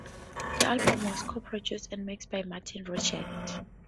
The album was co-produced and mixed by Martin Rushent.